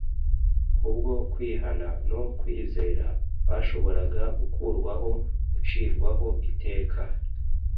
Kubwo kwihana no kwizera bashoboraga gukurwaho gucirwaho iteka